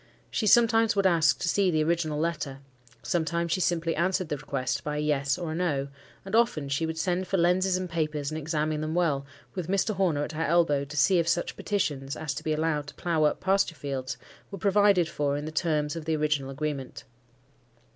She sometimes would ask to see the original letter; sometimes she simply answered the request by a "Yes," or a "No;" and often she would send for lenses and papers, and examine them well, with Mr. Horner at her elbow, to see if such petitions, as to be allowed to plough up pasture fields, were provided for in the terms of the original agreement.